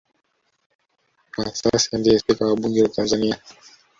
Kwa sasa ndiye Spika wa Bunge la Tanzania